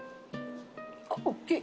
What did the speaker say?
あっ大きい。